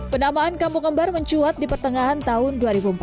penamaan kampung kembar mencuat di pertengahan tahun dua ribu empat belas